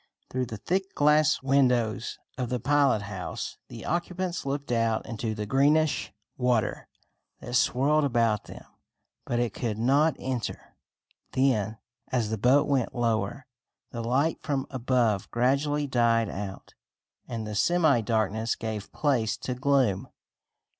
Through the thick glass windows of the pilot house the occupants looked out into the greenish water that swirled about them; but it could not enter. Then, as the boat went lower, the light from above gradually died out, and the semi darkness gave place to gloom.